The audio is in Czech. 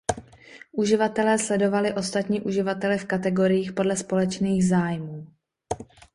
Uživatelé sledovali ostatní uživatele v kategoriích podle společných zájmů.